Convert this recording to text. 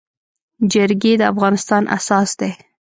جرګي د افغانستان اساس دی.